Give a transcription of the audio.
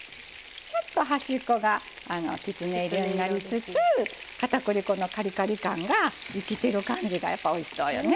ちょっと端っこがきつね色になりつつ片栗粉のカリカリ感が生きてる感じがやっぱおいしそうよね。